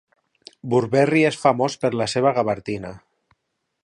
Burberry és famós per la seva gavardina.